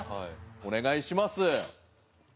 お願いします。